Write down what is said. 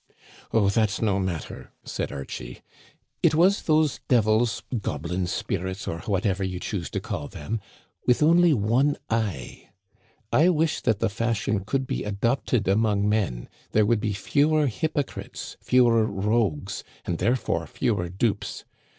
" Oh, that's no matter," said Archie. " It was those devils, goblins, spirits, or whatever you choose to call them, with only one eye ; I wish that the fashion could be adopted among men ; there would be fewer hypo crites, fewer rogues, and therefore fewer dupes.